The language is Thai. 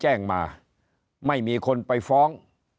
แจ้งมาไม่มีคนไปฟ้อง